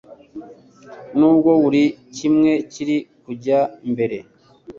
N'ubwo buri kimwe kiri kujya mbere,